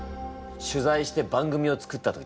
「取材して番組を作った」と言ったな。